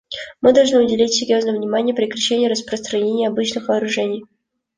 Мы должны уделить серьезное внимание прекращению распространения обычных вооружений.